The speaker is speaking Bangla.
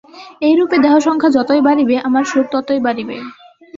এইরূপে দেহসংখ্যা যতই বাড়িবে, আমার সুখও ততই বাড়িবে।